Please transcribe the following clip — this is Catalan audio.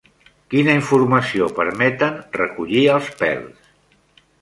Quina informació permeten recollir els pèls?